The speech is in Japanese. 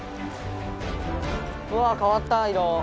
うわかわった色。